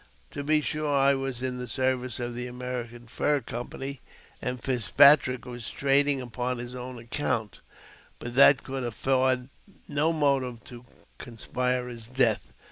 To be sure, I was in the service of the American Fur Company, and Fitzpatrick was trading upon his own account ; but that could afford no motive to conspire his death.